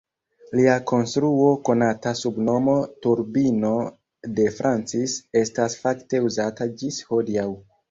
Lia konstruo konata sub nomo Turbino de Francis estas fakte uzata ĝis hodiaŭ.